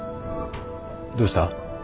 どうした？